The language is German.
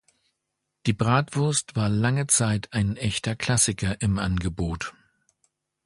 Die Bratwurst war lange Zeit ein echter Klassiker im Angebot.